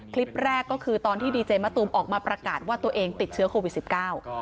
คลิปแรกก็คือตอนที่ดีเจมะตูมออกมาประกาศว่าตัวเองติดเชื้อโควิดสิบเก้า